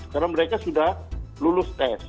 karena mereka sudah lulus tes